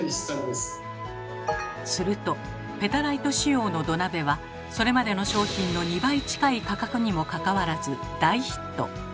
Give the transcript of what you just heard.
するとペタライト仕様の土鍋はそれまでの商品の２倍近い価格にもかかわらず大ヒット！